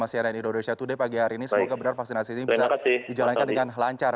cnn indonesia today pagi hari ini semoga benar vaksinasi ini bisa dijalankan dengan lancar